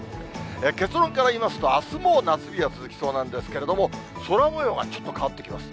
結論から言いますと、あすも夏日が続きそうなんですけれども、空もようがちょっと変わってきます。